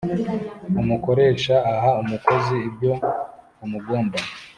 umukoresha aha umukozi ibyo amugomba